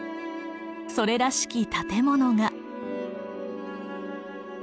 それらしき建物が。